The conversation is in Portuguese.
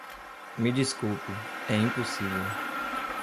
Me desculpe, é impossível.